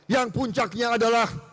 yang puncaknya adalah